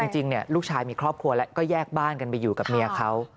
จริงลูกชายมีครอบครัวแล้วก็แยกบ้านกันไปอยู่กับเมียเขา